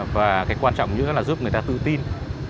và cái quan trọng nữa là giúp người ta tự tin